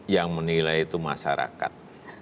yang menilai itu masyarakat